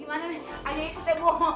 gimana nih ayah ikut ya bu